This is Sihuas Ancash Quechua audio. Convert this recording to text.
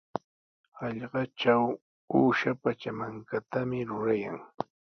Hallqatraw uusha pachamankatami rurayan.